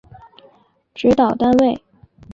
指导单位